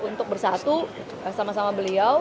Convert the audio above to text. untuk bersatu sama sama beliau